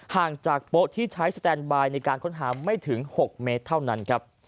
ห่างจากโป๊ะที่ใช้สแตนบายในการค้นหาไม่ถึง๖เมตรเท่านั้นครับ